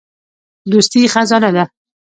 دوستي خزانه ده.